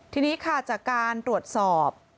ทีนี้ค่ะจากการตรวจสอบ